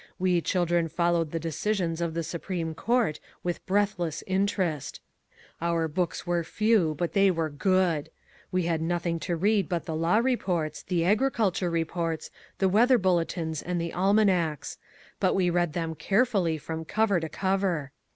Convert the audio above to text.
We children followed the decisions of the Supreme Court with breathless interest. Our books were few but they were GOOD. We had nothing to read but the law reports, the agriculture reports, the weather bulletins and the almanacs. But we read them carefully from cover to cover.